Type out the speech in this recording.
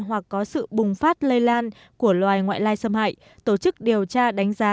hoặc có sự bùng phát lây lan của loài ngoại lai xâm hại tổ chức điều tra đánh giá